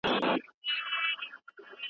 چي د چا په سر كي سترگي د ليدو وي